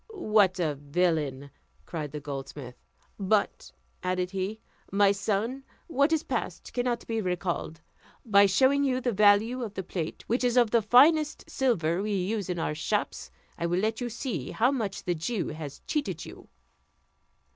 "What a villain!" cried the goldsmith. "But," added he, "my son, what is past cannot be recalled. By showing you the value of this plate, which is of the finest silver we use in our shops, I will let you see how much the Jew has cheated you."